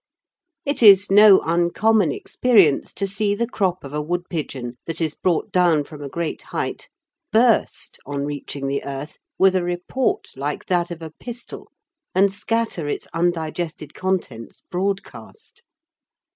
It is no uncommon experience to see the crop of a woodpigeon that is brought down from a great height burst, on reaching the earth, with a report like that of a pistol, and scatter its undigested contents broadcast.